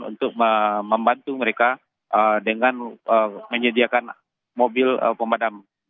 untuk membantu mereka dengan menyediakan mobil pemadam